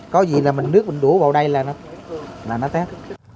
có gì là mình nước mình đũa vào đây là nó tét